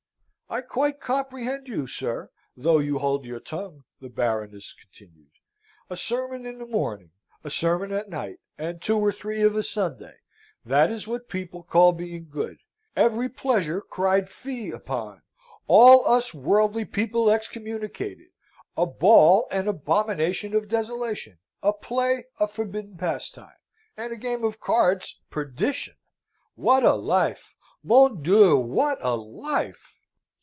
"I quite comprehend you, sir, though you hold your tongue," the Baroness continued. "A sermon in the morning: a sermon at night: and two or three of a Sunday. That is what people call being good. Every pleasure cried fie upon; all us worldly people excommunicated; a ball an abomination of desolation; a play a forbidden pastime; and a game of cards perdition! What a life! Mon Dieu, what a life!"